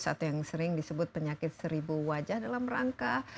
atau yang sering disebut penyakit seribu wajah dalam rangka